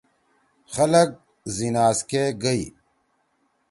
خلگ زیِناز کے گئی۔